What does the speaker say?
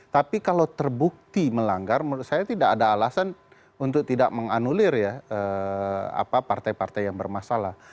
tapi kalau terbukti melanggar menurut saya tidak ada alasan untuk tidak menganulir ya partai partai yang bermasalah